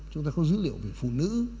chúng ta có dữ liệu về phụ nữ